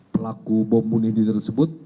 pelaku bom bunidi tersebut